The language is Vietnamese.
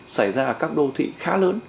xảy ra ở các đô thị khá lớn